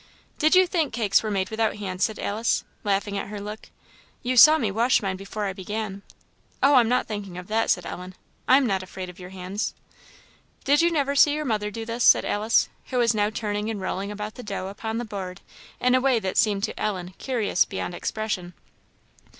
"Did you think cakes were made without hands?" said Alice, laughing at her look. "You saw me wash mine before I began." "Oh! I'm not thinking of that," said Ellen; "I am not afraid of your hands." "Did you never see your mother do this?" said Alice, who was now turning and rolling about the dough upon the board in a way that seemed to Ellen curious beyond expression.